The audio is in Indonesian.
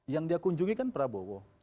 yang dia kunjungi kan prabowo